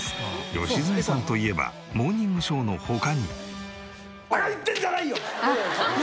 良純さんといえば『モーニングショー』の他にも。